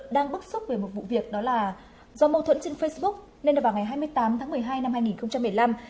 do mâu thuẫn trên facebook nên vào ngày hai mươi tám tháng một mươi hai năm hai nghìn một mươi năm